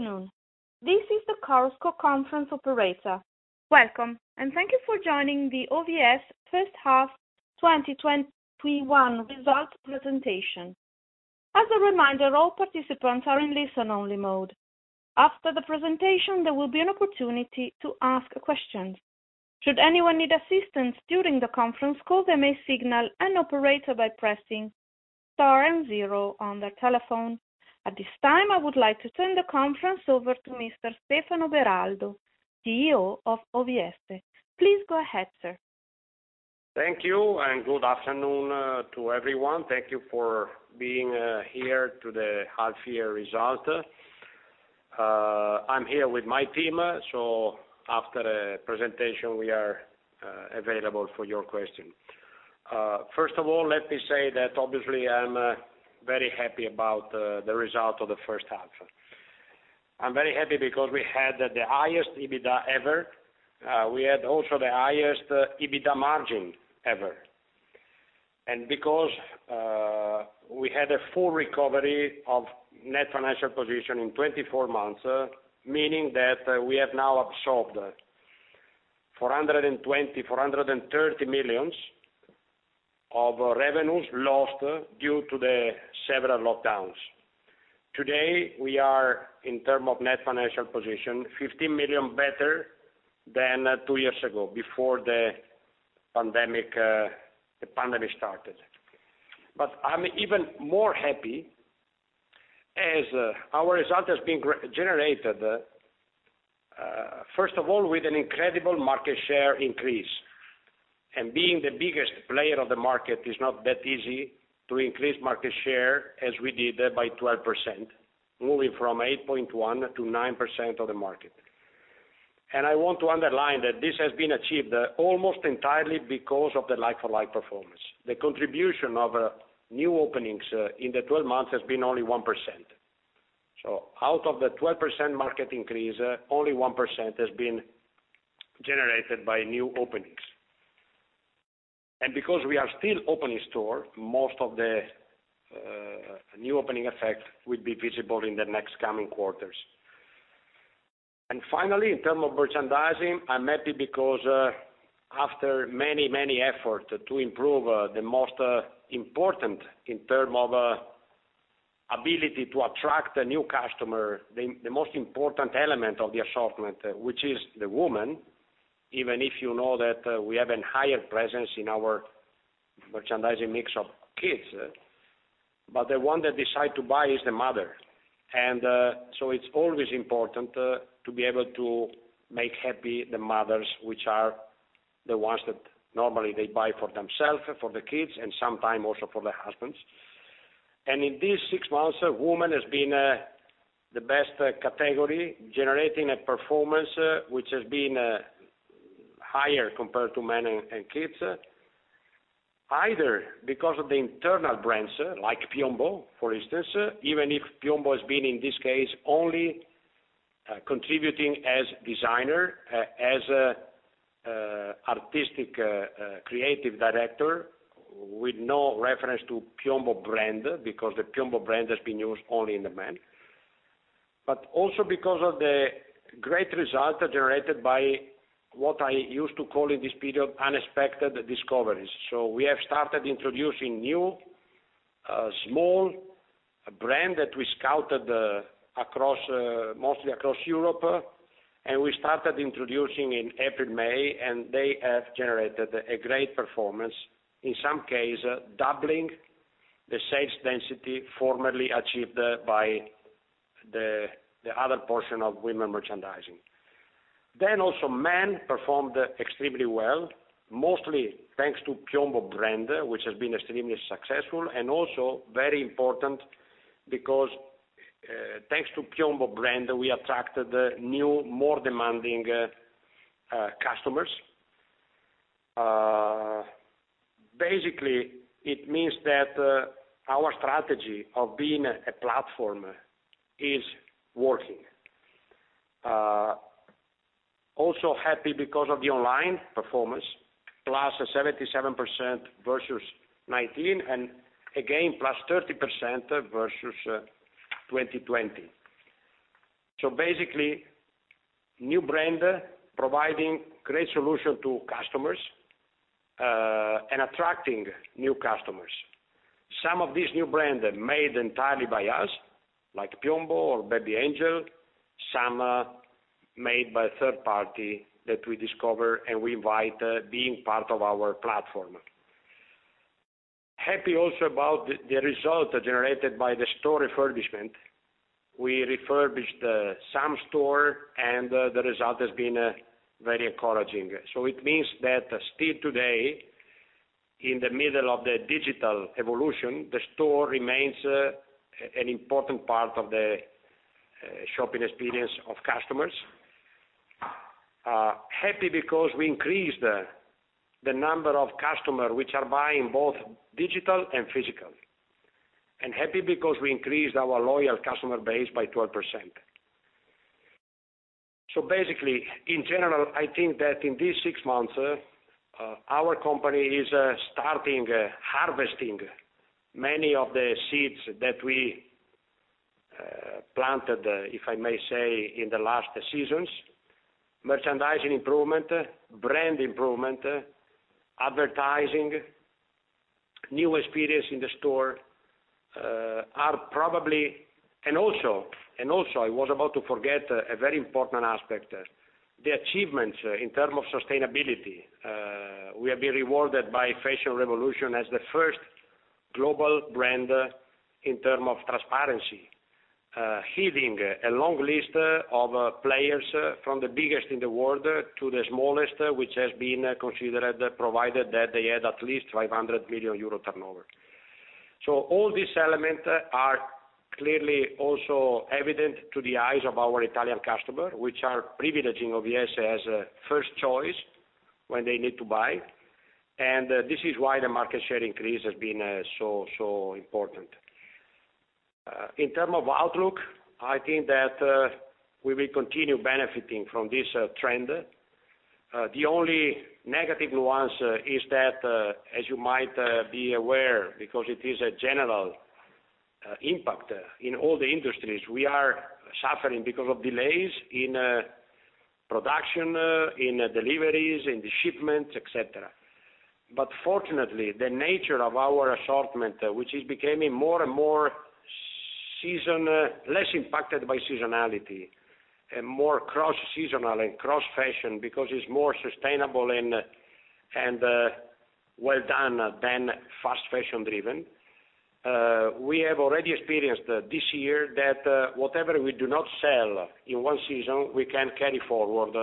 Good afternoon. This is the Chorus Call Conference Operator. Welcome, and thank you for joining the OVS first half 2021 result presentation. As a reminder, all participants are in listen-only mode. After the presentation, there will be an opportunity to ask questions. Should anyone need assistance during the conference call, they may signal an operator by pressing star and zero on their telephone. At this time, I would like to turn the conference over to Mr. Stefano Beraldo, CEO of OVS. Please go ahead, sir. Thank you. Good afternoon to everyone. Thank you for being here to the half-year result. I'm here with my team, so after the presentation, we are available for your question. First of all, let me say that obviously I'm very happy about the result of the first half. I'm very happy because we had the highest EBITDA ever. We had also the highest EBITDA margin ever. Because we had a full recovery of net financial position in 24 months, meaning that we have now absorbed 420 million, 430 million of revenues lost due to the several lockdowns. Today, we are, in term of net financial position, 15 million better than two years ago before the pandemic started. I'm even more happy as our result has been generated, first of all, with an incredible market share increase. Being the biggest player of the market is not that easy to increase market share as we did by 12%, moving from 8.1% to 9% of the market. I want to underline that this has been achieved almost entirely because of the like-for-like performance. The contribution of new openings in the 12 months has been only 1%. Out of the 12% market increase, only 1% has been generated by new openings. Because we are still opening store, most of the new opening effect will be visible in the next coming quarters. Finally, in term of merchandising, I'm happy because after many, many effort to improve the most important in term of ability to attract a new customer, the most important element of the assortment, which is the woman, even if you know that we have an higher presence in our merchandising mix of kids. The one that decide to buy is the mother. It's always important to be able to make happy the mothers, which are the ones that normally they buy for themselves, for the kids, and sometime also for the husbands. In these six months, woman has been the best category, generating a performance which has been higher compared to men and kids, either because of the internal brands like PIOMBO, for instance, even if PIOMBO has been, in this case, only contributing as designer, as a artistic creative director with no reference to PIOMBO brand, because the PIOMBO brand has been used only in the men. Also because of the great result generated by what I used to call in this period, unexpected discoveries. We have started introducing new, small brand that we scouted mostly across Europe, and we started introducing in April, May, and they have generated a great performance, in some case, doubling the sales density formerly achieved by the other portion of women merchandising. Also men performed extremely well, mostly thanks to PIOMBO brand, which has been extremely successful and also very important because thanks to PIOMBO brand, we attracted new, more demanding customers. It means that our strategy of being a platform is working. Happy because of the online performance, +77% versus 2019, and again, +30% versus 2020. New brand providing great solution to customers, and attracting new customers. Some of these new brand are made entirely by us, like PIOMBO or B.Angel, some are made by third party that we discover and we invite being part of our platform. Happy about the result generated by the store refurbishment. We refurbished some store, and the result has been very encouraging. It means that still today, in the middle of the digital evolution, the store remains an important part of the shopping experience of customers. Happy because we increased the number of customer which are buying both digital and physical. Happy because we increased our loyal customer base by 12%. In general, I think that in these six months, our company is starting harvesting many of the seeds that we planted, if I may say, in the last seasons. Merchandising improvement, brand improvement, advertising, new experience in the store, are probably I was about to forget a very important aspect, the achievements in terms of sustainability. We have been rewarded by Fashion Revolution as the first global brand in terms of transparency. Heading a long list of players from the biggest in the world to the smallest, which has been considered, provided that they had at least 500 million euro turnover. All these element are clearly also evident to the eyes of our Italian customer, which are privileging OVS as a first choice when they need to buy. And this is why the market share increase has been so important. In terms of outlook, I think that we will continue benefiting from this trend. The only negative nuance is that, as you might be aware, because it is a general impact in all the industries, we are suffering because of delays in production, in deliveries, in the shipments, et cetera. Fortunately, the nature of our assortment, which is becoming less impacted by seasonality and more cross-seasonal and cross-fashion, because it's more sustainable and well done than fast fashion driven. We have already experienced this year that whatever we do not sell in one season, we can carry forward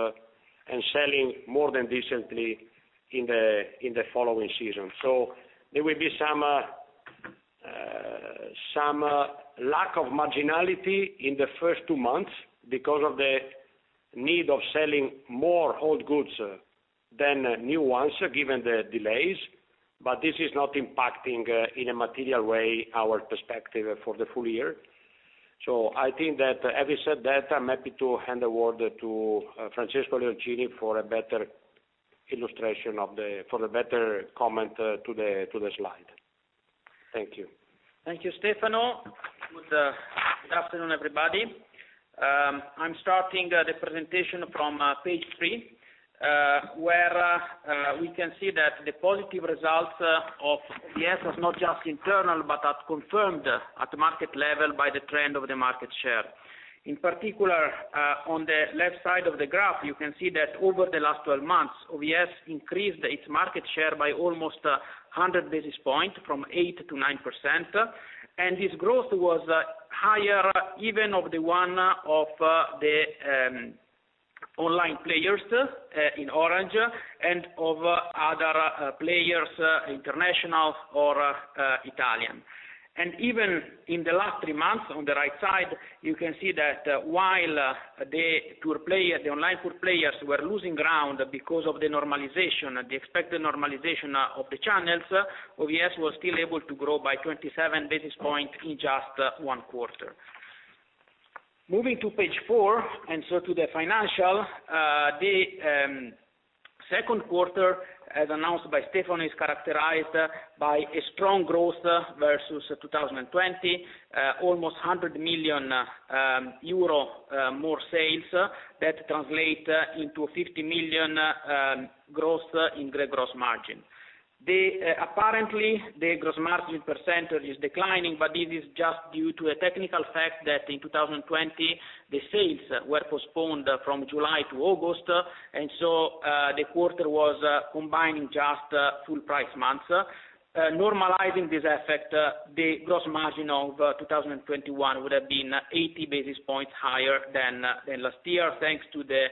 and selling more than decently in the following season. There will be some lack of marginality in the first two months because of the need of selling more old goods than new ones, given the delays, but this is not impacting in a material way our perspective for the full year. I think that having said that, I'm happy to hand the word to Francesco Leoncini for a better comment to the slide. Thank you. Thank you, Stefano. Good afternoon, everybody. I am starting the presentation from page three, where we can see that the positive results of OVS were not just internal, but are confirmed at market level by the trend of the market share. In particular, on the left side of the graph, you can see that over the last 12 months, OVS increased its market share by almost 100 basis points from 8%-9%. This growth was higher even of the one of the online players in orange and of other players, international or Italian. Even in the last three months, on the right side, you can see that while the online players were losing ground because of the expected normalization of the channels, OVS was still able to grow by 27 basis points in just one quarter. Moving to page four, to the financial. The second quarter, as announced by Stefano, is characterized by a strong growth versus 2020, almost 100 million euro more sales that translate into 50 million growth in gross margin. Apparently, the gross margin percentage is declining, but this is just due to a technical fact that in 2020, the sales were postponed from July to August. The quarter was combining just full price months. Normalizing this effect, the gross margin of 2021 would have been 80 basis points higher than last year, thanks to the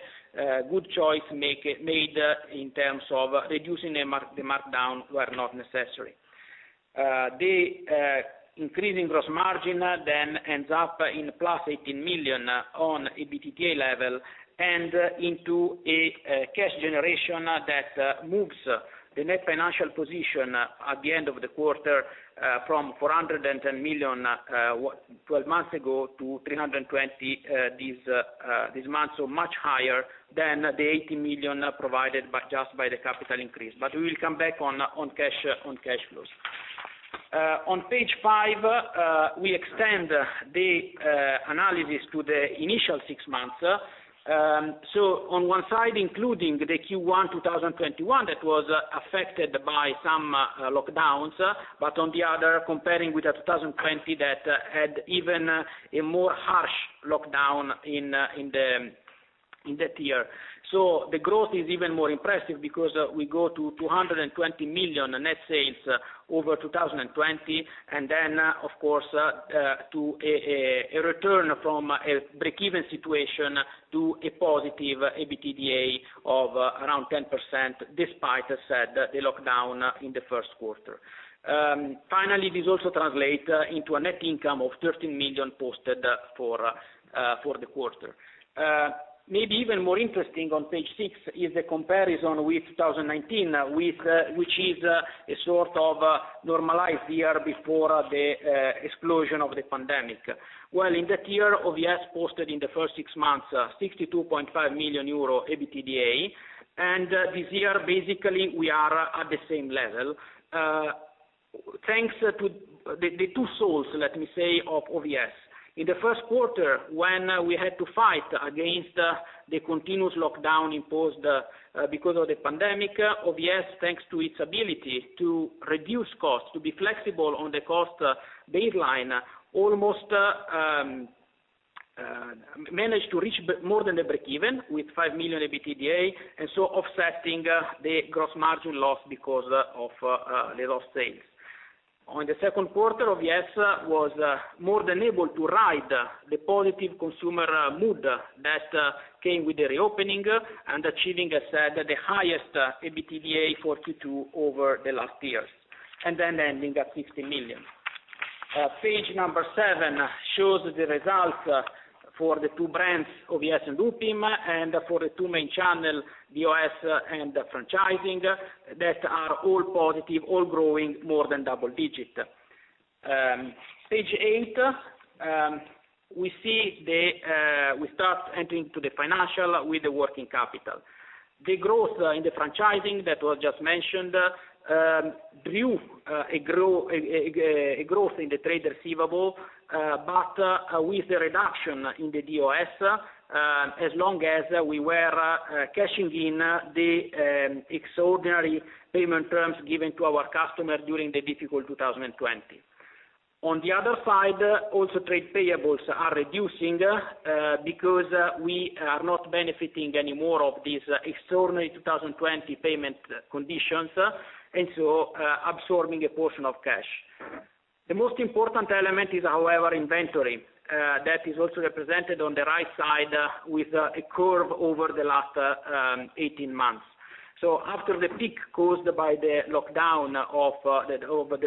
good choice made in terms of reducing the markdown where not necessary. The increasing gross margin ends up in +18 million on EBITDA level and into a cash generation that moves the net financial position at the end of the quarter from 410 million, 12 months ago, to 320 this month. Much higher than the 80 million provided just by the capital increase. We will come back on cash flows. On page five, we extend the analysis to the initial six months. On one side, including the Q1 2021, that was affected by some lockdowns, but on the other, comparing with the 2020 that had even a more harsh lockdown in that year. The growth is even more impressive because we go to 220 million net sales over 2020, and then of course, to a return from a break-even situation to a positive EBITDA of around 10%, despite the lockdown in the first quarter. Finally, this also translates into a net income of 13 million posted for the quarter. Maybe even more interesting on page six is the comparison with 2019, which is a sort of normalized year before the explosion of the pandemic. In that year, OVS posted in the first six months, 62.5 million euro EBITDA, this year, basically, we are at the same level. Thanks to the two souls, let me say, of OVS. In the first quarter, when we had to fight against the continuous lockdown imposed because of the pandemic, OVS, thanks to its ability to reduce costs, to be flexible on the cost baseline, almost managed to reach more than a breakeven with 5 million EBITDA, offsetting the gross margin loss because of the lost sales. On the second quarter, OVS was more than able to ride the positive consumer mood that came with the reopening and achieving, as said, the highest EBITDA for Q2 over the last years, ending at 60 million. Page seven shows the results for the two brands, OVS and Rip Curl, and for the two main channel, DOS and franchising, that are all positive, all growing more than double-digit. Page eight, we start entering to the financial with the working capital. The growth in the franchising that was just mentioned drew a growth in the trade receivable, but with the reduction in the DOS, as long as we were cashing in the extraordinary payment terms given to our customer during the difficult 2020. On the other side, also trade payables are reducing because we are not benefiting anymore of these extraordinary 2020 payment conditions, absorbing a portion of cash. The most important element is, however, inventory. That is also represented on the right side with a curve over the last 18 months. After the peak caused by the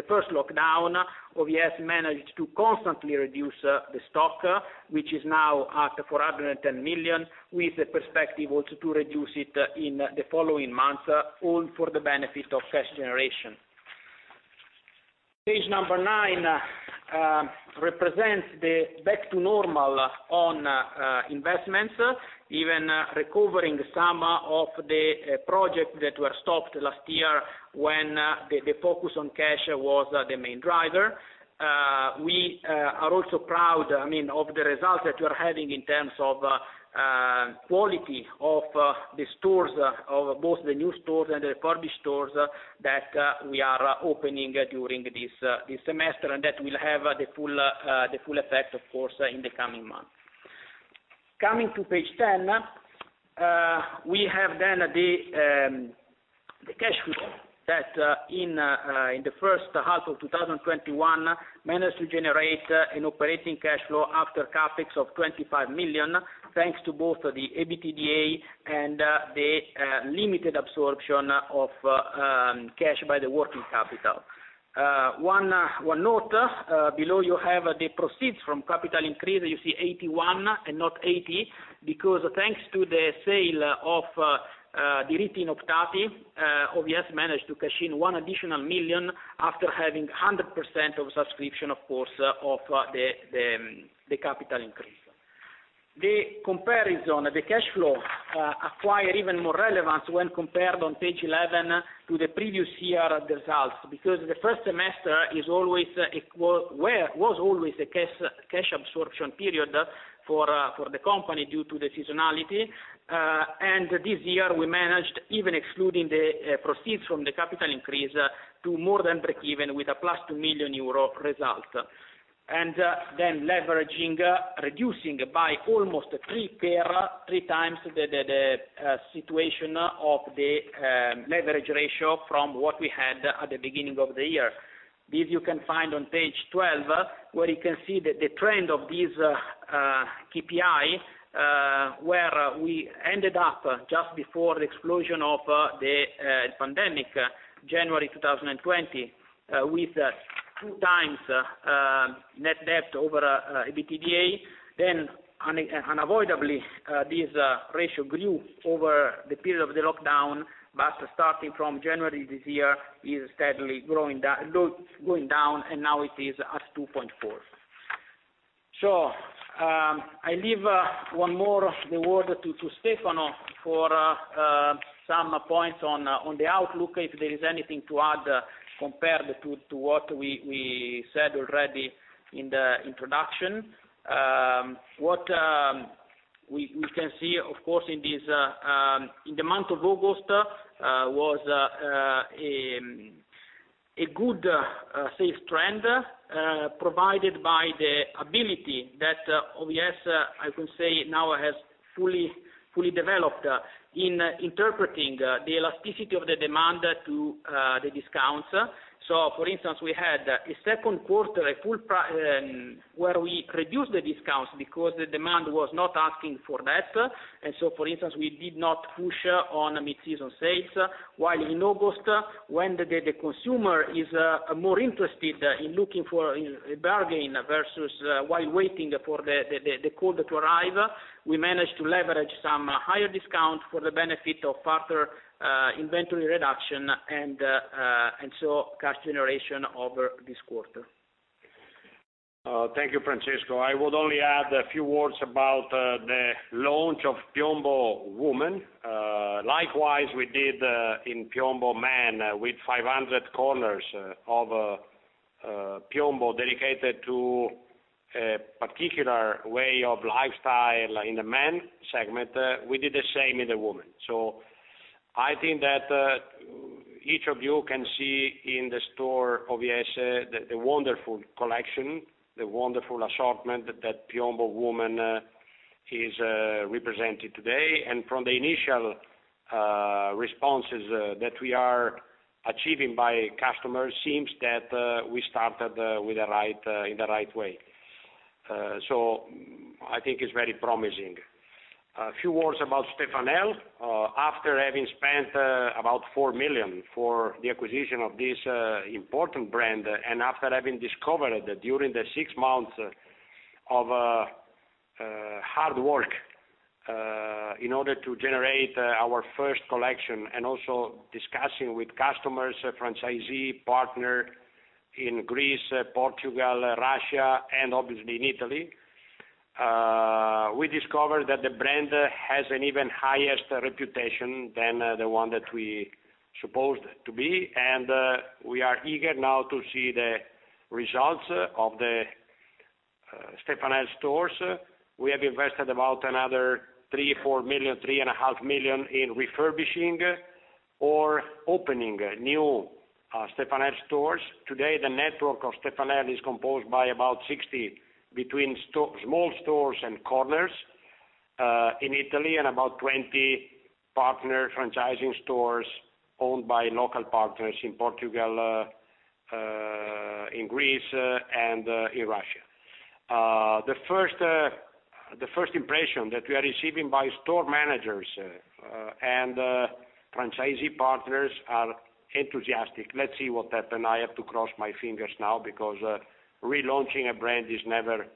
first lockdown, OVS managed to constantly reduce the stock, which is now at 410 million, with the perspective also to reduce it in the following months, all for the benefit of cash generation. Page nine represents the back to normal on investments, even recovering some of the projects that were stopped last year when the focus on cash was the main driver. We are also proud of the results that we're having in terms of quality of the stores, of both the new stores and the refurbished stores that we are opening during this semester, and that will have the full effect, of course, in the coming months. Coming to Page 10, we have the cash flow that in the first half of 2021 managed to generate an operating cash flow after CapEx of 25 million, thanks to both the EBITDA and the limited absorption of cash by the working capital. One note, below you have the proceeds from capital increase. You see 81 and not 80 because thanks to the sale of the retain of Tati, OVS managed to cash in 1 additional million after having 100% of subscription, of course, of the capital increase. The comparison of the cash flow acquire even more relevance when compared on Page 11 to the previous year results, because the first semester was always a cash absorption period for the company due to the seasonality. This year, we managed, even excluding the proceeds from the capital increase, to more than break even with a plus 2 million euro result. Leveraging, reducing by almost 3 times the situation of the leverage ratio from what we had at the beginning of the year. This you can find on Page 12, where you can see the trend of these KPIs, where we ended up just before the explosion of the pandemic, January 2020, with 2 times net debt over EBITDA. Unavoidably, this ratio grew over the period of the lockdown, but starting from January this year, is steadily going down, and now it is at 2.4. I leave one more the word to Stefano for some points on the outlook, if there is anything to add compared to what we said already in the introduction. What we can see, of course, in the month of August, was a good sales trend provided by the ability that OVS, I can say now, has fully developed in interpreting the elasticity of the demand to the discounts. For instance, we had a second quarter where we reduced the discounts because the demand was not asking for that. For instance, we did not push on mid-season sales, while in August, when the consumer is more interested in looking for a bargain versus while waiting for the cold to arrive, we managed to leverage some higher discount for the benefit of further inventory reduction, and so cash generation over this quarter. Thank you, Francesco. I would only add a few words about the launch of PIOMBO Donna. Likewise, we did in PIOMBO Uomo with 500 corners of PIOMBO dedicated to a particular way of lifestyle in the men segment, we did the same in the woman. I think that each of you can see in the store OVS the wonderful collection, the wonderful assortment that PIOMBO Donna is representing today. From the initial responses that we are achieving by customers, seems that we started in the right way. I think it's very promising. A few words about Stefanel. After having spent about 4 million for the acquisition of this important brand, and after having discovered that during the six months of hard work in order to generate our first collection and also discussing with customers, franchisee, partner in Greece, Portugal, Russia, and obviously in Italy, we discovered that the brand has an even highest reputation than the one that we supposed to be, and we are eager now to see the results of the Stefanel stores. We have invested about another 3 million-4 million, 3.5 million in refurbishing or opening new Stefanel stores. Today, the network of Stefanel is composed by about 60, between small stores and corners in Italy and about 20 partner franchising stores owned by local partners in Portugal, in Greece, and in Russia. The first impression that we are receiving by store managers and franchisee partners are enthusiastic. Let's see what happen. I have to cross my fingers now because relaunching a brand is never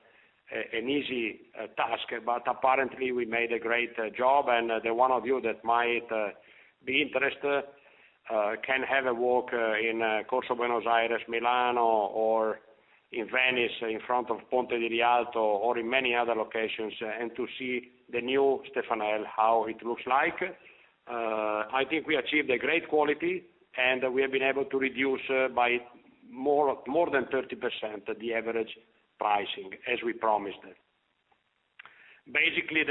an easy task. Apparently, we made a great job, and the one of you that might be interested can have a walk in Corso Buenos Aires, Milan, or in Venice in front of Ponte di Rialto, or in many other locations, and to see the new Stefanel, how it looks like. I think we achieved a great quality, and we have been able to reduce by more than 30% the average pricing, as we promised. Basically,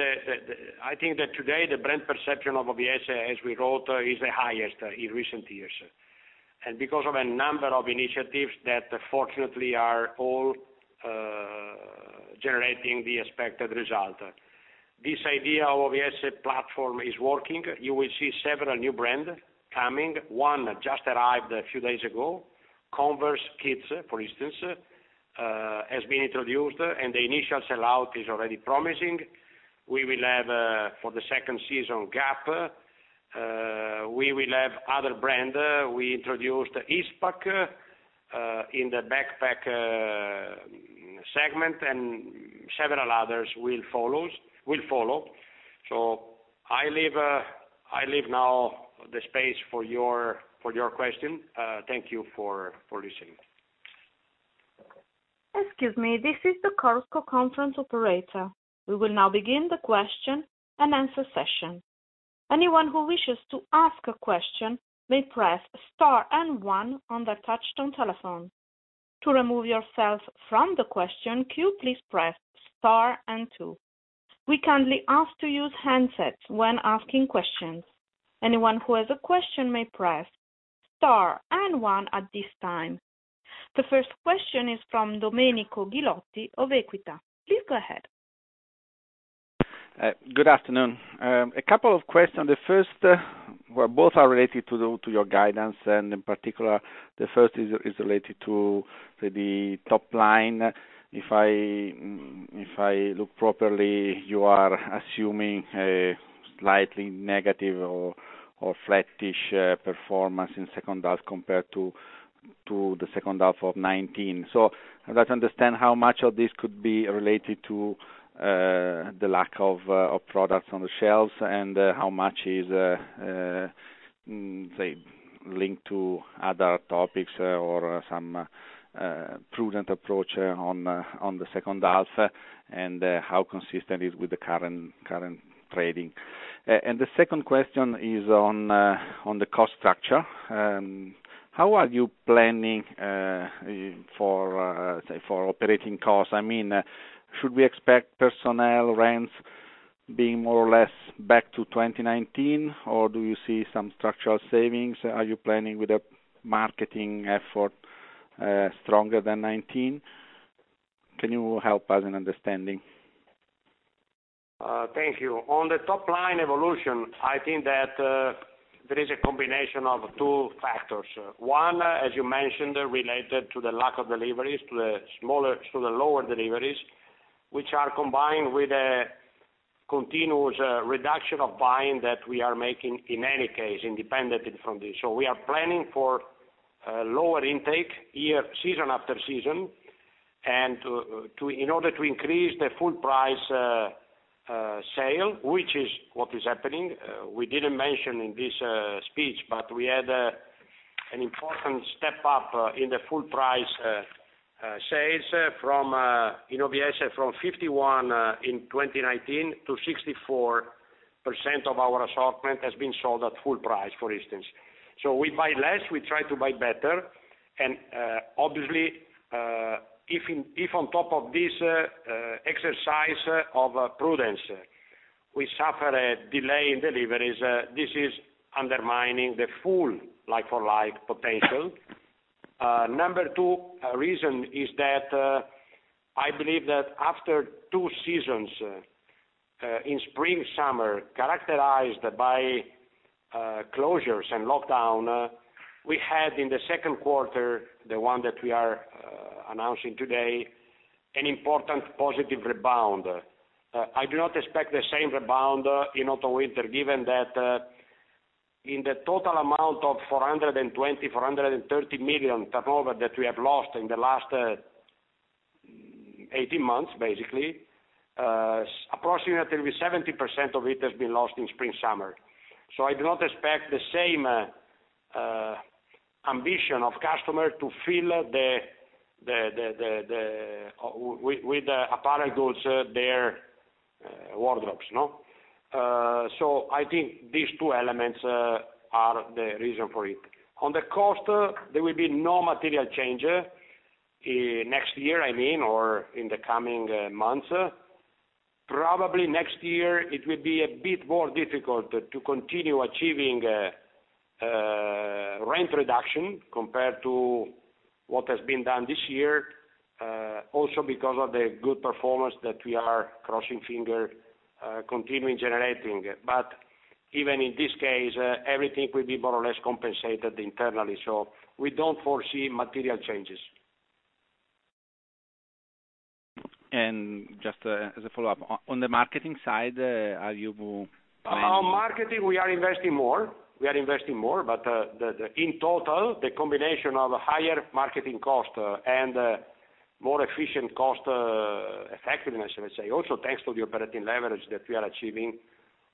I think that today the brand perception of OVS, as we wrote, is the highest in recent years. Because of a number of initiatives that fortunately are all generating the expected result. This idea of OVS platform is working. You will see several new brand coming. One just arrived a few days ago, Converse Kids, for instance, has been introduced, and the initial sell-out is already promising. We will have for the second season, Gap. We will have other brand. We introduced Eastpak in the backpack segment, and several others will follow. I leave now the space for your question. Thank you for listening. Excuse me. This is the Chorus Call conference operator. We will now begin the question-and-answer session. Anyone who wishes to ask a question may press star and one on their touch-tone telephone. To remove yourself from the question queue, please press star and two. We kindly ask to use handsets when asking questions. Anyone who has a question may press star and one at this time. The first question is from Domenico Ghilotti of Equita. Please go ahead. Good afternoon. A couple of questions. The first, well, both are related to your guidance, in particular, the first is related to the top line. If I look properly, you are assuming a slightly negative or flattish performance in second half compared to the second half of 2019. I would like to understand how much of this could be related to the lack of products on the shelves, how much is, say, linked to other topics or some prudent approach on the second half, how consistent is with the current trading. The second question is on the cost structure. How are you planning for, say, for operating costs? Should we expect personnel rents being more or less back to 2019, or do you see some structural savings? Are you planning with a marketing effort stronger than 2019? Can you help us in understanding? Thank you. On the top line evolution, I think that there is a combination of two factors. One, as you mentioned, related to the lack of deliveries, to the lower deliveries, which are combined with a continuous reduction of buying that we are making in any case, independently from this. We are planning for a lower intake season after season, in order to increase the full price sale, which is what is happening. We didn't mention in this speech, we had an important step up in the full price sales in OVS from 51 in 2019 to 64% of our assortment has been sold at full price, for instance. We buy less, we try to buy better, obviously, if on top of this exercise of prudence, we suffer a delay in deliveries, this is undermining the full like-for-like potential. Number two reason is that I believe that after two seasons in spring/summer, characterized by closures and lockdown, we had in the second quarter, the one that we are announcing today, an important positive rebound. I do not expect the same rebound in autumn/winter, given that in the total amount of 420 million-430 million turnover that we have lost in the last 18 months basically, approximately 70% of it has been lost in spring/summer. I do not expect the same ambition of customer to fill with the apparel goods their wardrobes. I think these two elements are the reason for it. On the cost, there will be no material change next year, I mean, or in the coming months. Probably next year it will be a bit more difficult to continue achieving rent reduction compared to what has been done this year, also because of the good performance that we are, crossing fingers, continuing generating. Even in this case, everything will be more or less compensated internally. We don't foresee material changes. Just as a follow-up, on the marketing side, are you planning- On marketing, we are investing more. We are investing more, in total, the combination of higher marketing cost and more efficient cost effectiveness, I would say, also thanks to the operating leverage that we are achieving,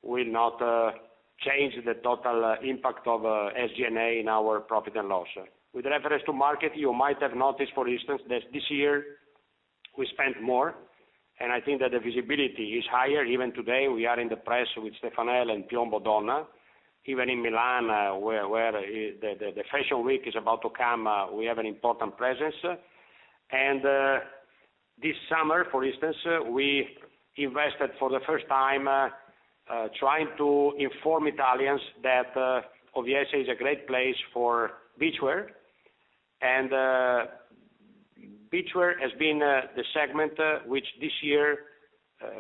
will not change the total impact of SG&A in our profit and loss. With reference to market, you might have noticed, for instance, that this year we spent more, I think that the visibility is higher. Even today, we are in the press with Stefanel and PIOMBO Donna. Even in Milan, where the fashion week is about to come, we have an important presence. This summer, for instance, we invested for the first time trying to inform Italians that OVS is a great place for beachwear. Beachwear has been the segment which this year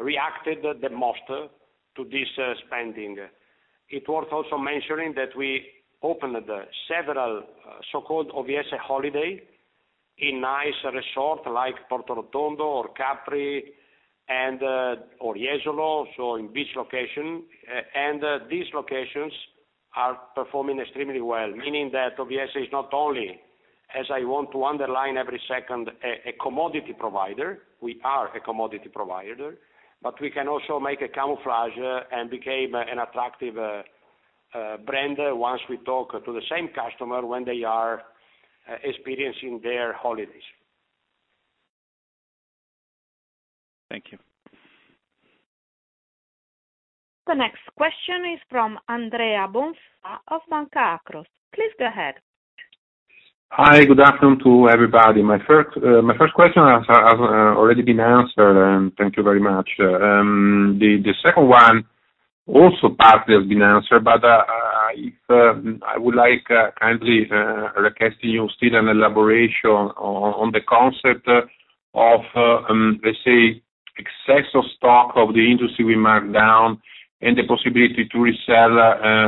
reacted the most to this spending. It's worth also mentioning that we opened several so-called OVS Holidays in nice resorts like Porto Rotondo or Capri or Jesolo, so in beach location. These locations are performing extremely well, meaning that OVS is not only, as I want to underline every second, a commodity provider. We are a commodity provider, but we can also make a camouflage and became an attractive brand once we talk to the same customer when they are experiencing their holidays. Thank you. The next question is from Andrea Bonfà of Banca Akros. Please go ahead. Hi, good afternoon to everybody. My first question has already been answered, and thank you very much. The second one also partly has been answered, but I would like, kindly requesting you still an elaboration on the concept of, let's say, excess of stock of the industry we markdown and the possibility to resell,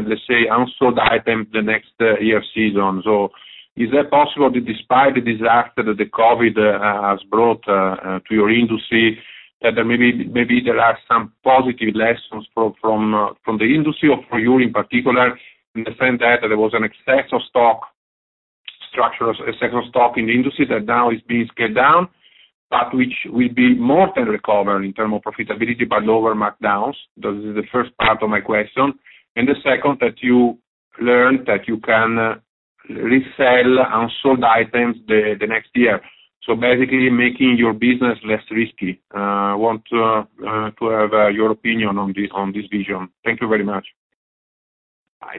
let's say, unsold item the next year season. Is that possible that despite the disaster that the COVID has brought to your industry, that maybe there are some positive lessons from the industry or for you in particular, in the sense that there was an excess of stock, structural excess of stock in the industry that now is being scaled down, but which will be more than recovered in term of profitability by lower markdowns? This is the first part of my question. The second, that you learned that you can resell unsold items the next year, basically making your business less risky. I want to have your opinion on this vision. Thank you very much.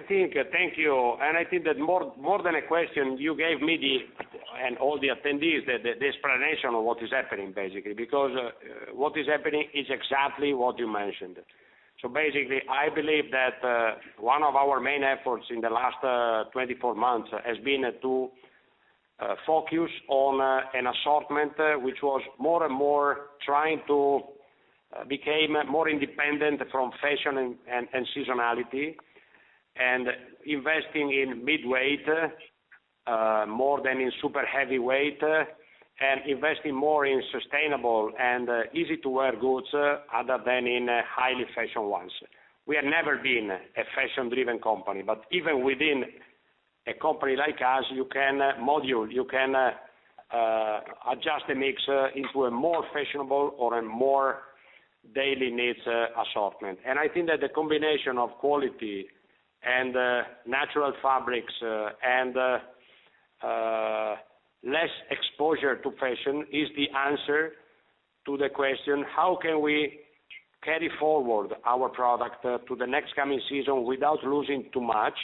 Thank you. I think that more than a question, you gave me and all the attendees the explanation of what is happening, basically. What is happening is exactly what you mentioned. Basically, I believe that one of our main efforts in the last 24 months has been to focus on an assortment which was more and more trying to became more independent from fashion and seasonality, investing in mid-weight, more than in super heavyweight, and investing more in sustainable and easy-to-wear goods other than in highly fashion ones. We have never been a fashion-driven company, but even within a company like us, you can module, you can adjust the mix into a more fashionable or a more daily needs assortment. I think that the combination of quality and natural fabrics, and less exposure to fashion is the answer to the question. How can we carry forward our product to the next coming season without losing too much?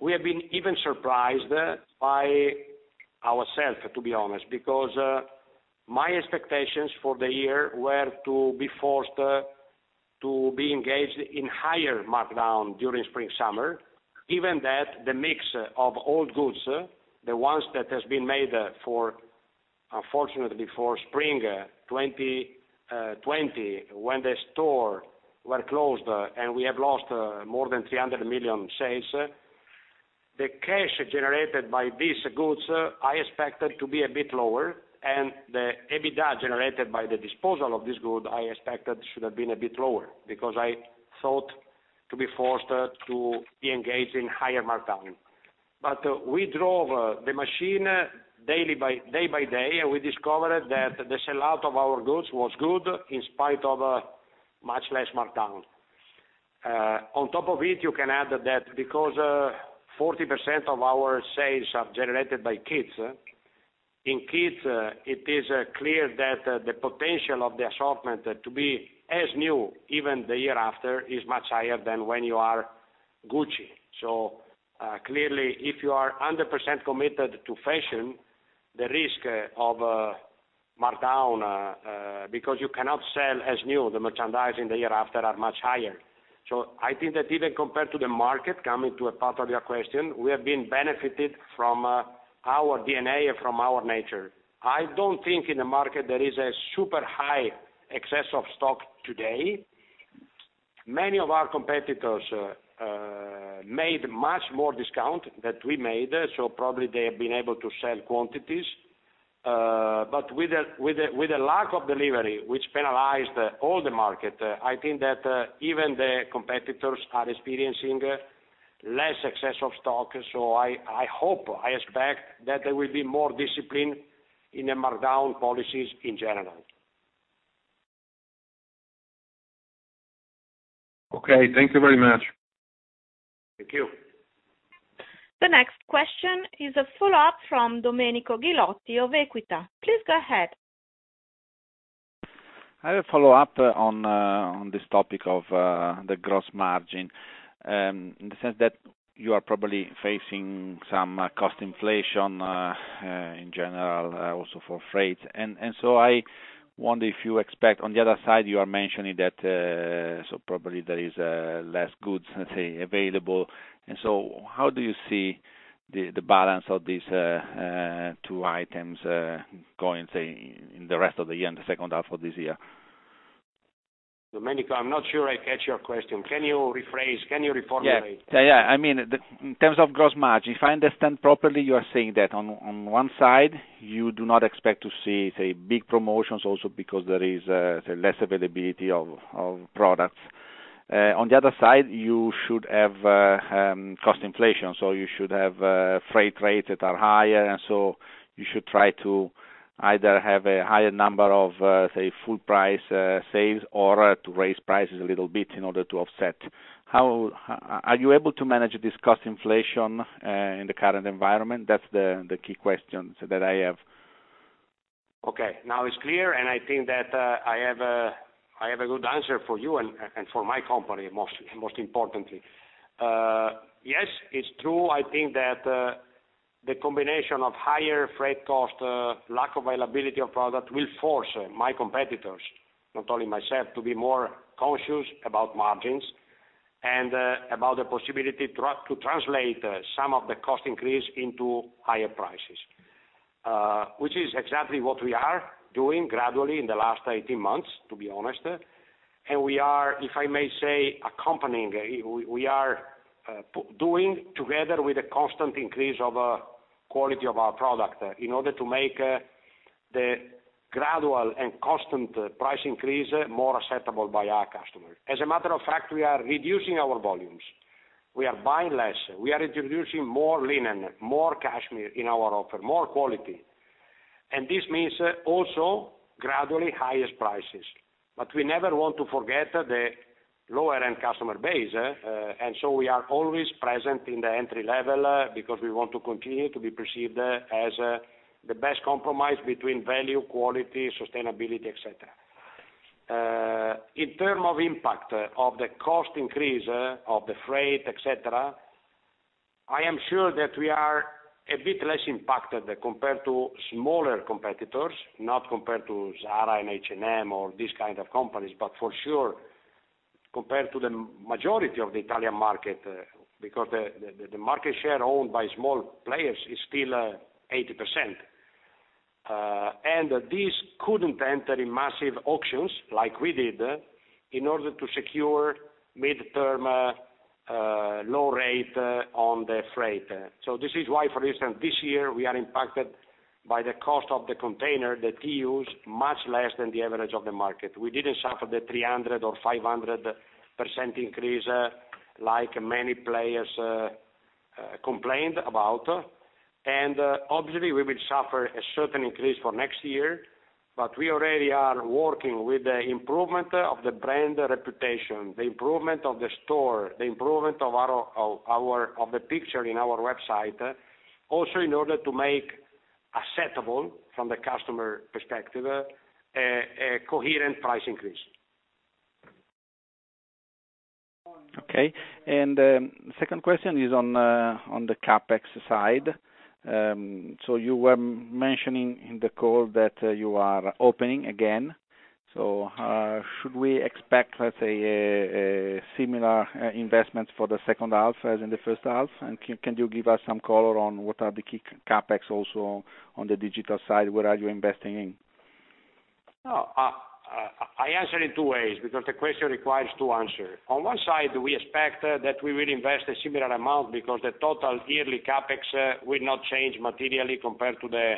We have been even surprised by ourself, to be honest, because my expectations for the year were to be forced to be engaged in higher markdown during spring-summer. Given that the mix of old goods, the ones that has been made, unfortunately for spring 2020, when the store were closed and we have lost more than 300 million sales. The cash generated by these goods, I expected to be a bit lower, and the EBITDA generated by the disposal of this good, I expected should have been a bit lower, because I thought to be forced to be engaged in higher markdown. We drove the machine day by day, and we discovered that the sellout of our goods was good in spite of much less markdown. On top of it, you can add that because 40% of our sales are generated by kids. In kids, it is clear that the potential of the assortment to be as new even the year after is much higher than when you are Gucci. Clearly, if you are 100% committed to fashion, the risk of markdown, because you cannot sell as new the merchandise in the year after are much higher. I think that even compared to the market, coming to a part of your question, we have been benefited from our DNA and from our nature. I don't think in the market there is a super high excess of stock today. Many of our competitors made much more discount that we made, probably they have been able to sell quantities. With the lack of delivery, which penalized all the market, I think that even the competitors are experiencing less excess of stock. I hope, I expect that there will be more discipline in the markdown policies in general. Okay. Thank you very much. Thank you. The next question is a follow-up from Domenico Ghilotti of Equita. Please go ahead. I have a follow-up on this topic of the gross margin, in the sense that you are probably facing some cost inflation, in general, also for freight. I wonder if you expect, on the other side, you are mentioning that, so probably there is less goods, let's say, available. How do you see the balance of these two items going in the rest of the year, in the second half of this year? Domenico, I'm not sure I catch your question. Can you rephrase? Can you reformulate? Yeah. I mean, in terms of gross margin, if I understand properly, you are saying that on one side, you do not expect to see, say, big promotions also because there is, say, less availability of products. On the other side, you should have cost inflation, so you should have freight rates that are higher, you should try to either have a higher number of full price sales or to raise prices a little bit in order to offset. Are you able to manage this cost inflation in the current environment? That's the key question that I have. Okay. Now it's clear. I think that I have a good answer for you and for my company, most importantly. Yes, it's true. I think that the combination of higher freight cost, lack availability of product will force my competitors, not only myself, to be more conscious about margins and about the possibility to translate some of the cost increase into higher prices, which is exactly what we are doing gradually in the last 18 months, to be honest. We are, if I may say, accompanying. We are doing together with a constant increase of quality of our product in order to make the gradual and constant price increase more acceptable by our customer. As a matter of fact, we are reducing our volumes. We are buying less. We are introducing more linen, more cashmere in our offer, more quality. This means also gradually highest prices. We never want to forget the lower-end customer base. We are always present in the entry level because we want to continue to be perceived as the best compromise between value, quality, sustainability, et cetera. In terms of impact of the cost increase of freight, et cetera. I am sure that we are a bit less impacted compared to smaller competitors, not compared to Zara and H&M or these kinds of companies. For sure, compared to the majority of the Italian market, because the market share owned by small players is still 80%. These couldn't enter in massive auctions like we did in order to secure midterm low rate on freight. This is why, for instance, this year, we are impacted by the cost of the container that we use much less than the average of the market. We didn't suffer the 300% or 500% increase like many players complained about. Obviously, we will suffer a certain increase for next year, but we already are working with the improvement of brand reputation, the improvement of the store, the improvement of the picture in our website, also in order to make acceptable from the customer perspective, a coherent price increase. Okay. Second question is on the CapEx side. You were mentioning in the call that you are opening again, should we expect, let's say, similar investments for the second half as in the first half? Can you give us some color on what are the key CapEx also on the digital side, what are you investing in? I answer in two ways because the question requires two answers. On one side, we expect that we will invest a similar amount because the total yearly CapEx will not change materially compared to the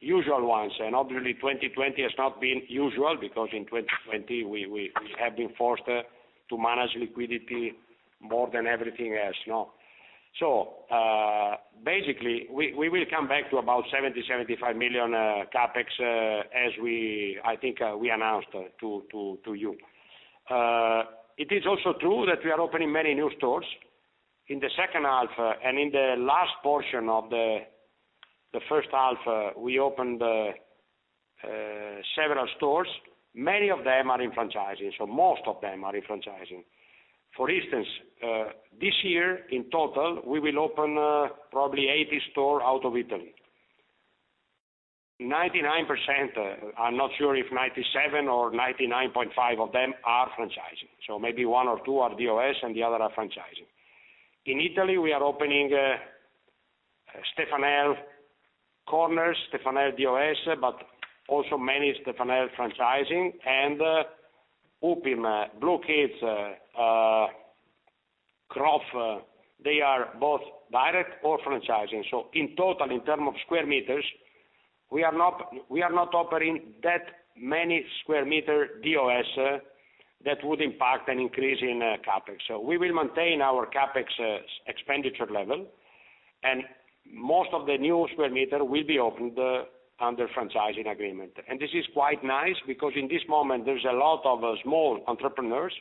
usual ones. Obviously, 2020 has not been usual because in 2020 we have been forced to manage liquidity more than everything else. Basically, we will come back to about 70 million-75 million CapEx, as I think we announced to you. It is also true that we are opening many new stores. In the second half and in the last portion of the first half, we opened several stores. Many of them are in franchising; most of them are in franchising. For instance, this year in total, we will open probably 80 stores out of Italy. 99%, I'm not sure if 97 or 99.5 of them are franchising, so maybe one or two are DOS and the other are franchising. In Italy, we are opening Stefanel Corners, Stefanel DOS, but also many Stefanel franchising, and UPIM, Blukids, Croff. They are both direct or franchising. In term of square meter, we are not opening that many square meter DOS that would impact an increase in CapEx. We will maintain our CapEx expenditure level, and most of the new square meter will be opened under franchising agreement. This is quite nice because in this moment, there's a lot of small entrepreneurs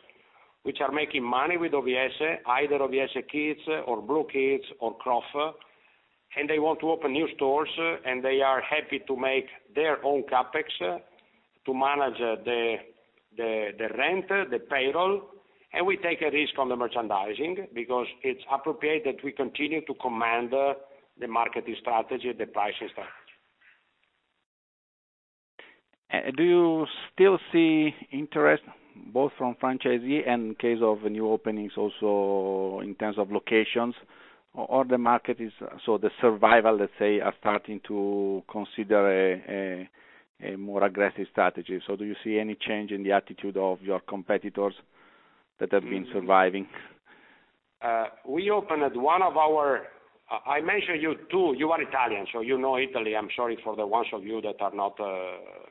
which are making money with OVS, either OVS Kids or Blukids or Croff, and they want to open new stores, and they are happy to make their own CapEx to manage the rent, the payroll. We take a risk on the merchandising because it's appropriate that we continue to command the marketing strategy, the pricing strategy. Do you still see interest both from franchisee and in case of new openings, also in terms of locations? The survival, let's say, are starting to consider a more aggressive strategy. Do you see any change in the attitude of your competitors that have been surviving? I mentioned you two, you are Italian, so you know Italy. I'm sorry for the ones of you that are not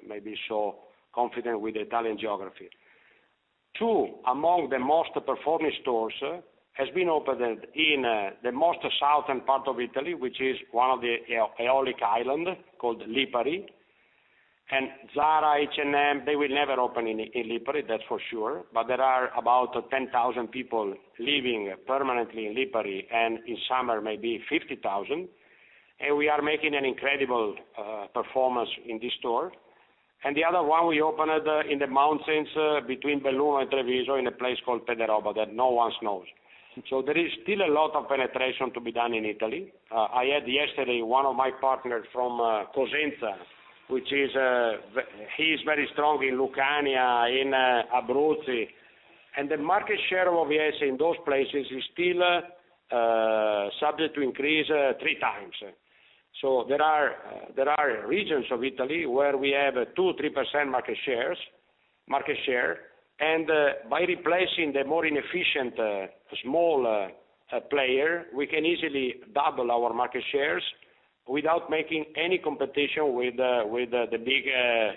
maybe so confident with the Italian geography. Two, among the most performing stores, has been opened in the most southern part of Italy, which is one of the Aeolian Islands called Lipari. Zara, H&M, they will never open in Lipari, that's for sure, but there are about 10,000 people living permanently in Lipari, and in summer, maybe 50,000. We are making an incredible performance in this store. The other one, we opened in the mountains between Belluno and Treviso in a place called Pederobba that no one knows. There is still a lot of penetration to be done in Italy. I had yesterday one of my partners from Cosenza. He's very strong in Lucania, in Abruzzi. The market share of OVS in those places is still subject to increase three times. There are regions of Italy where we have 2%, 3% market share. By replacing the more inefficient small player, we can easily double our market shares without making any competition with the big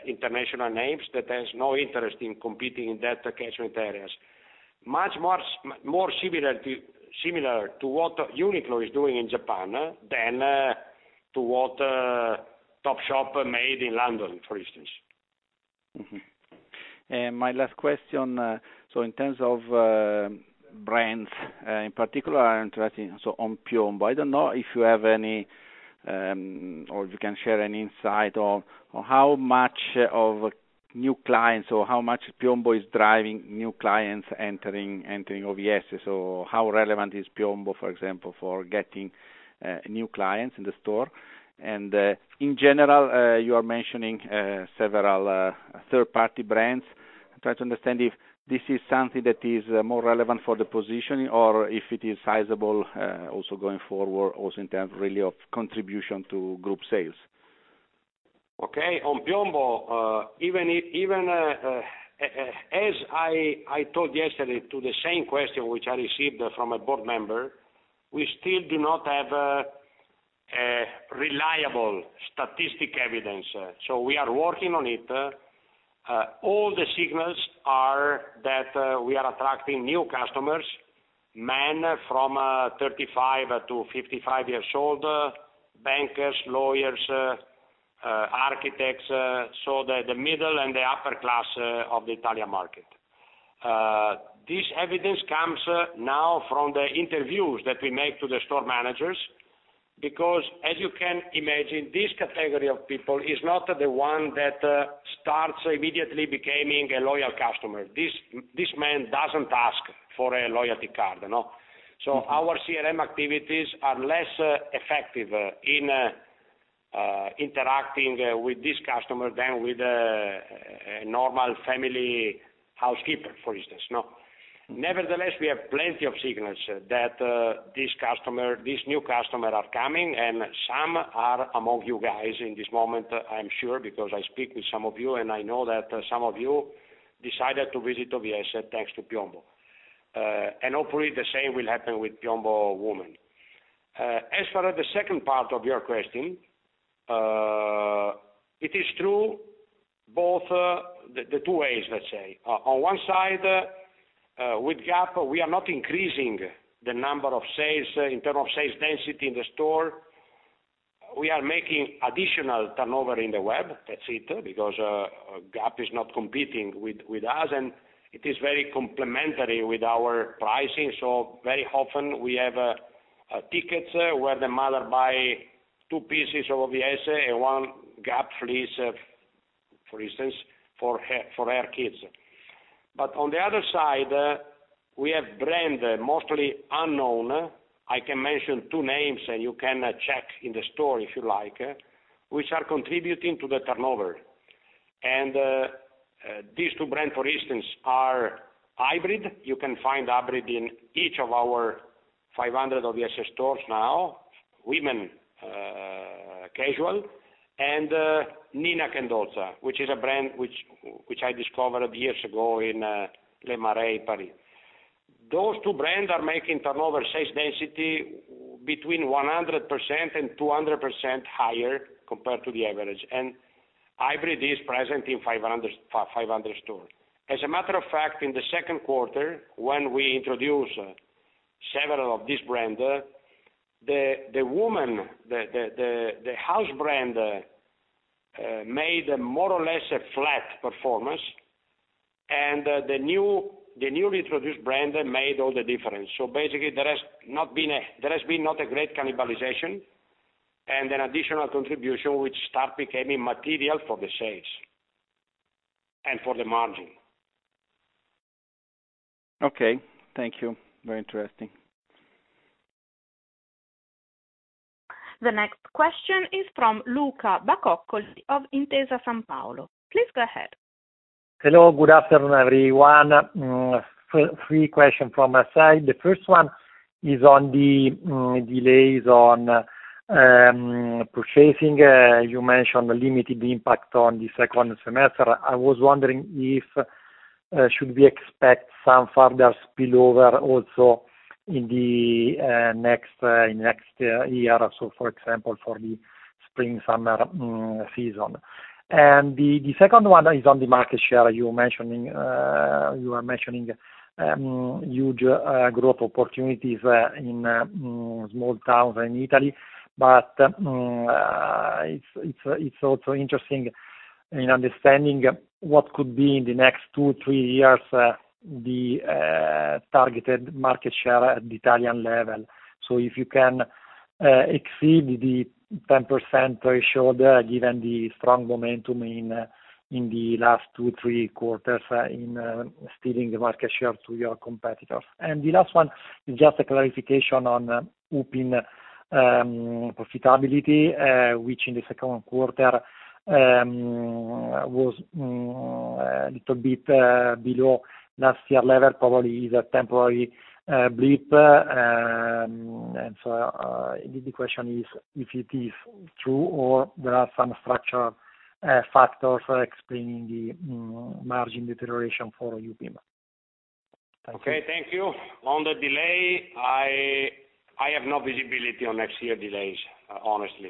international names that has no interest in competing in that catchment areas. Much more similar to what Uniqlo is doing in Japan than to what Topshop made in London, for instance. Mm-hmm. My last question, in terms of brands, in particular, I'm interested in, on PIOMBO, I don't know if you have any or if you can share any insight on how much of new clients or how much PIOMBO is driving new clients entering OVS, or how relevant is PIOMBO, for example, for getting new clients in the store. In general, you are mentioning several third-party brands. I try to understand if this is something that is more relevant for the positioning or if it is sizable, also going forward also in terms really of contribution to group sales. Okay. On PIOMBO, as I told yesterday to the same question which I received from a board member, we still do not have reliable statistic evidence. We are working on it. All the signals are that we are attracting new customers, men from 35 to 55 years old, bankers, lawyers, architects, the middle and the upper class of the Italian market. This evidence comes now from the interviews that we make to the store managers, because as you can imagine, this category of people is not the one that starts immediately becoming a loyal customer. This man doesn't ask for a loyalty card. Our CRM activities are less effective in interacting with this customer than with a normal family housekeeper, for instance. Nevertheless, we have plenty of signals that these new customer are coming and some are among you guys in this moment, I'm sure, because I speak with some of you, and I know that some of you decided to visit OVS, thanks to PIOMBO. Hopefully the same will happen with PIOMBO Donna. As for the second part of your question, it is true both the two ways, let's say. On one side, with Gap, we are not increasing the number of sales in terms of sales density in the store. We are making additional turnover in the web, that's it, because Gap is not competing with us, and it is very complementary with our pricing. Very often we have tickets where the mother buy two pieces of OVS and one Gap fleece, for instance, for her kids. On the other side, we have brand, mostly unknown. I can mention two names, and you can check in the store if you like, which are contributing to the turnover. These two brand, for instance, are Hybrid. You can find Hybrid in each of our 500 OVS stores now, women casual, and Nina Kendosa, which is a brand which I discovered years ago in Le Marais, Paris. Those two brands are making turnover sales density between 100% and 200% higher compared to the average, and Hybrid is present in 500 stores. As a matter of fact, in the second quarter, when we introduce several of these brand, the house brand made a more or less a flat performance, and the new reintroduced brand made all the difference. Basically, there has been not a great cannibalization and an additional contribution which start becoming material for the sales and for the margin. Okay. Thank you. Very interesting. The next question is from Luca Bacoccoli of Intesa Sanpaolo. Please go ahead. Hello. Good afternoon, everyone. Three question from my side. The first one is on the delays on purchasing. You mentioned the limited impact on the second semester. I was wondering if should we expect some further spillover also in the next year or so, for example, for the spring-summer season? The second one is on the market share. You are mentioning huge growth opportunities in small towns in Italy, but it's also interesting in understanding what could be in the next two, three years, the targeted market share at the Italian level. If you can exceed the 10% ratio there, given the strong momentum in the last two, three quarters in stealing the market share to your competitors. The last one is just a clarification on UPIM profitability, which in the second quarter was a little bit below last year level, probably is a temporary blip. The question is, if it is true or there are some structural factors explaining the margin deterioration for UPIM. Thank you. Okay, thank you. On the delay, I have no visibility on next year delays, honestly.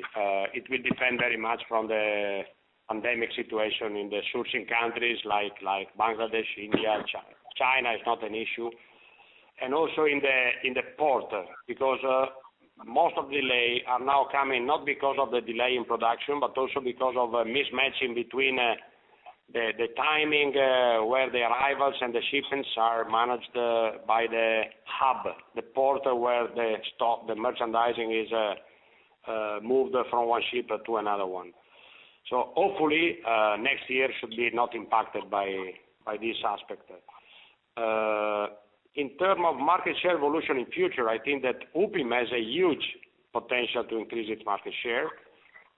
It will depend very much from the pandemic situation in the sourcing countries like Bangladesh, India. China is not an issue. Also in the port, because most of delay are now coming, not because of the delay in production, but also because of a mismatching between the timing where the arrivals and the shipments are managed by the hub, the port where the merchandising is moved from one ship to another one. Hopefully, next year should be not impacted by this aspect. In terms of market share evolution in future, I think that UPIM has a huge potential to increase its market share,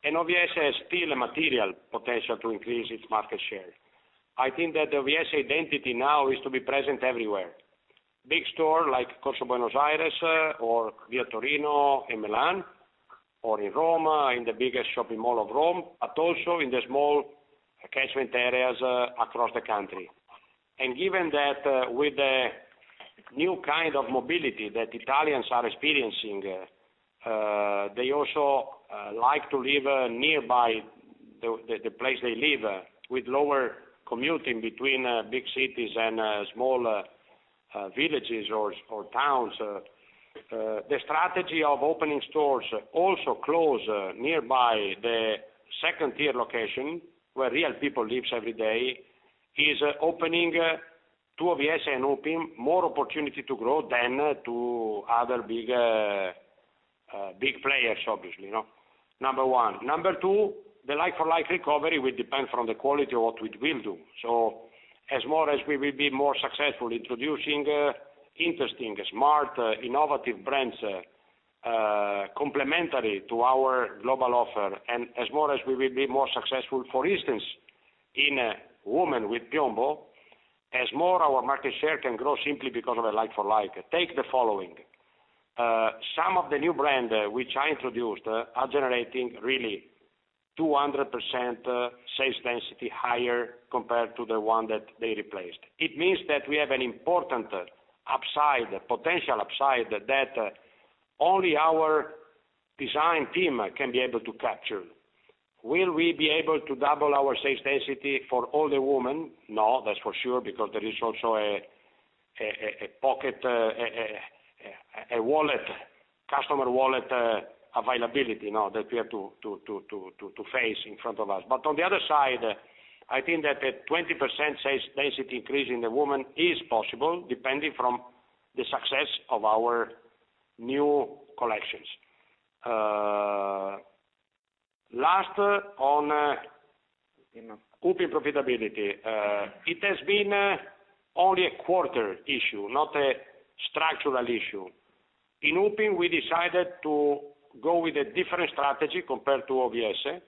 and OVS has still a material potential to increase its market share. I think that the OVS identity now is to be present everywhere. Big store like Corso Buenos Aires or Via Torino in Milan or in Rome, in the biggest shopping mall of Rome, but also in the small catchment areas across the country. Given that with the new kind of mobility that Italians are experiencing. They also like to live nearby the place they live, with lower commuting between big cities and small villages or towns. The strategy of opening stores also close nearby the second-tier location where real people live every day, is opening to OVS and UPIM more opportunity to grow than to other big players, obviously. Number one. Number two, the like-for-like recovery will depend from the quality of what we will do. As more as we will be more successful introducing interesting, smart, innovative brands complementary to our global offer, and as more as we will be more successful, for instance, in women with PIOMBO, as more our market share can grow simply because of a like-for-like. Take the following. Some of the new brand which I introduced are generating really 200% sales density higher compared to the one that they replaced. It means that we have an important potential upside, that only our design team can be able to capture. Will we be able to double our sales density for all the women? No, that's for sure, because there is also a customer wallet availability that we have to face in front of us. On the other side, I think that a 20% sales density increase in the women is possible, depending from the success of our new collections. Last on UPIM profitability. It has been only a quarter issue, not a structural issue. In UPIM, we decided to go with a different strategy compared to OVS.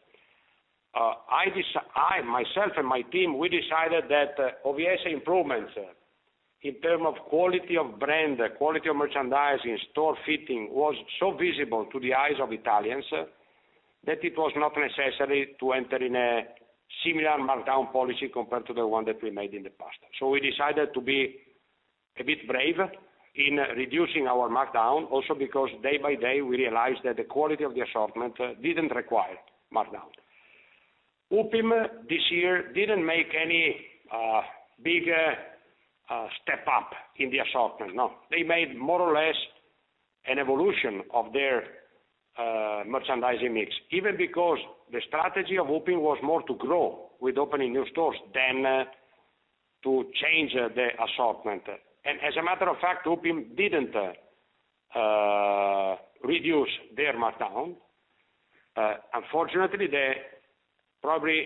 I, myself and my team, we decided that OVS improvements in term of quality of brand, quality of merchandising, store fitting, was so visible to the eyes of Italians, that it was not necessary to enter in a similar markdown policy compared to the one that we made in the past. We decided to be a bit brave in reducing our markdown, also because day by day, we realized that the quality of the assortment didn't require markdown. UPIM, this year, didn't make any big step up in the assortment. No. They made more or less an evolution of their merchandising mix, even because the strategy of UPIM was more to grow with opening new stores than to change the assortment. As a matter of fact, UPIM didn't reduce their markdown. Unfortunately, probably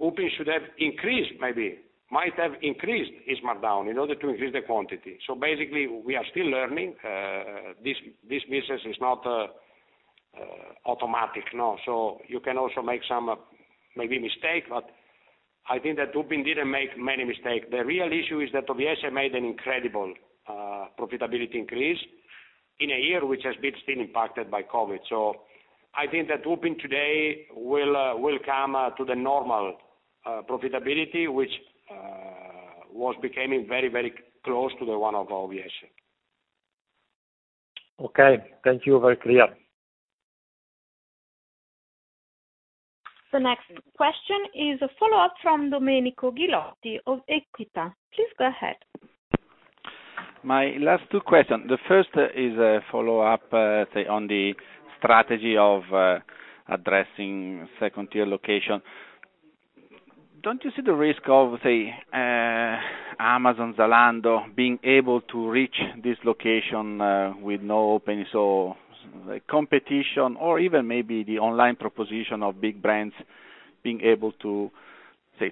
UPIM should have increased maybe, might have increased its markdown in order to increase the quantity. Basically, we are still learning. This business is not automatic. You can also make some maybe mistake, but I think that UPIM didn't make many mistake. The real issue is that OVS has made an incredible profitability increase in a year which has been still impacted by COVID. I think that UPIM today will come to the normal profitability, which was becoming very close to the one of OVS. Okay. Thank you. Very clear. The next question is a follow-up from Domenico Ghilotti of Equita. Please go ahead. My last two questions. The first is a follow-up on the strategy of addressing second-tier locations. Don't you see the risk of Amazon, Zalando, being able to reach this location with no OpEx, so competition or even maybe the online proposition of big brands being able to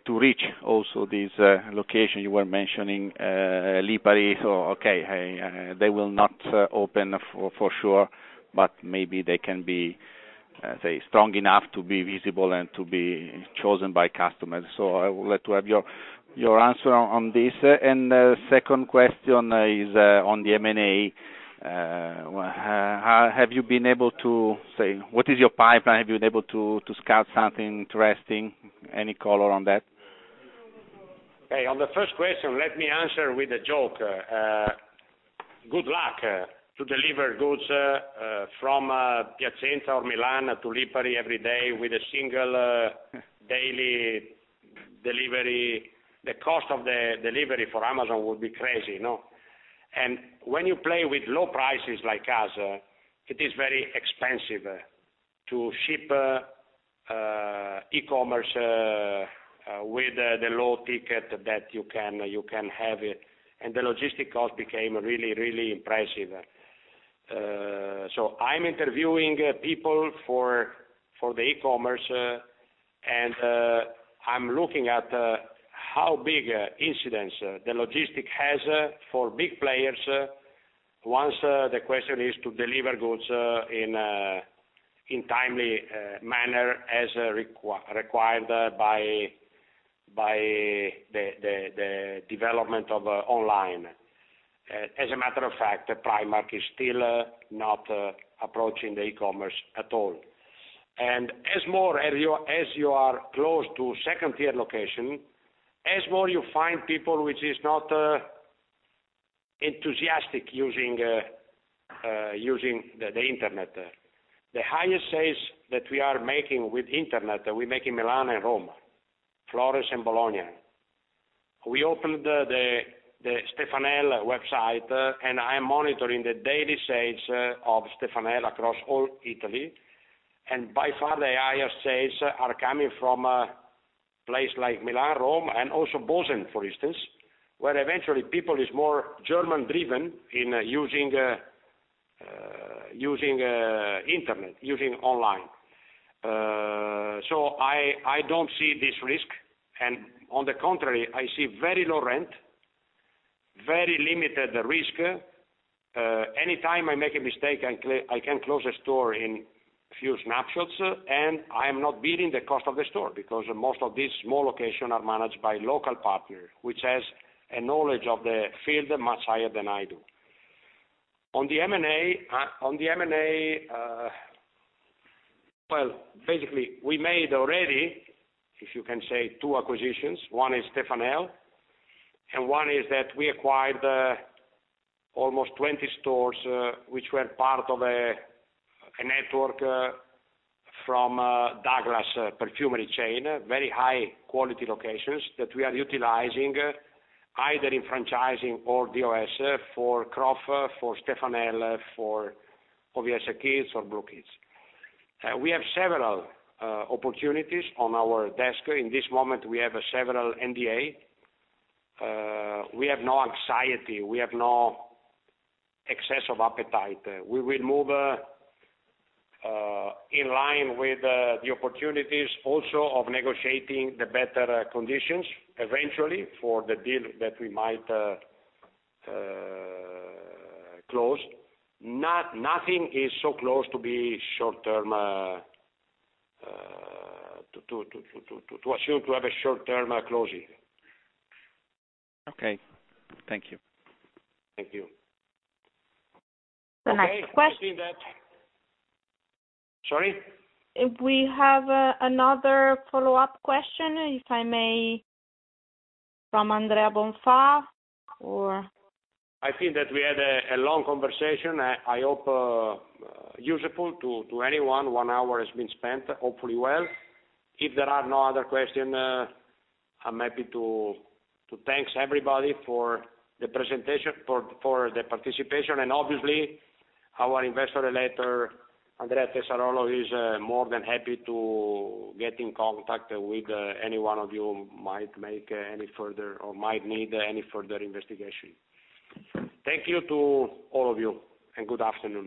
reach also this location you were mentioning, Lipari. They will not open for sure, but maybe they can be strong enough to be visible and to be chosen by customers. I would like to have your answer on this. Second question is on the M&A. What is your pipeline? Have you been able to scout something interesting? Any color on that? On the first question, let me answer with a joke. Good luck to deliver goods from Piacenza or Milan to Lipari every day with a single daily delivery. The cost of the delivery for Amazon would be crazy, no? When you play with low prices like us, it is very expensive to ship e-commerce, with the low ticket that you can have it, and the logistic cost became really, really impressive. I'm interviewing people for the e-commerce, and I'm looking at how big incidence the logistic has for big players, once the question is to deliver goods in timely manner as required by the development of online. As a matter of fact, Primark is still not approaching the e-commerce at all. As you are close to second-tier locations, as more you find people which is not enthusiastic using the internet. The highest sales that we are making with internet, we make in Milan and Rome, Florence and Bologna. We opened the Stefanel website. I am monitoring the daily sales of Stefanel across all Italy. By far, the highest sales are coming from places like Milan, Rome, and also Bolzano, for instance, where eventually people is more German-driven in using internet, using online. I don't see this risk, and on the contrary, I see very low rent, very limited risk. Anytime I make a mistake, I can close a store in few snapshots, and I am not bearing the cost of the store, because most of these small locations are managed by local partner, which has a knowledge of the field much higher than I do. On the M&A, basically we made already, if you can say, two acquisitions. One is Stefanel, and one is that we acquired almost 20 stores which were part of a network from Douglas Perfumery chain, very high-quality locations that we are utilizing either in franchising or DOS for Croff, for Stefanel, for OVS Kids or Blukids. We have several opportunities on our desk. In this moment, we have several NDA. We have no anxiety. We have no excessive appetite. We will move in line with the opportunities also of negotiating the better conditions eventually for the deal that we might close. Nothing is so close to have a short-term closing. Okay. Thank you. Thank you. The next question. Sorry? We have another follow-up question, if I may, from Andrea Bonfà. I think that we had a long conversation. I hope useful to anyone. One hour has been spent, hopefully well. If there are no other questions, I am happy to thank everybody for the participation, and obviously, our investor later, Andrea Cesarollo, is more than happy to get in contact with any one of you who might need any further investigation. Thank you to all of you, and good afternoon.